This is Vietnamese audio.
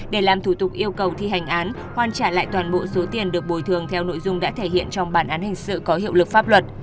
để làm thủ tục yêu cầu thi hành án hoàn trả lại toàn bộ số tiền được bồi thường theo nội dung đã thể hiện trong bản án hình sự có hiệu lực pháp luật